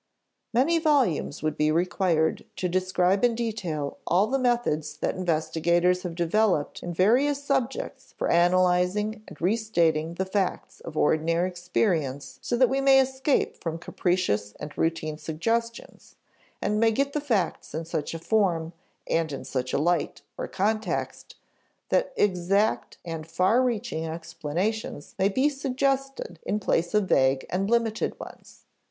Many volumes would be required to describe in detail all the methods that investigators have developed in various subjects for analyzing and restating the facts of ordinary experience so that we may escape from capricious and routine suggestions, and may get the facts in such a form and in such a light (or context) that exact and far reaching explanations may be suggested in place of vague and limited ones.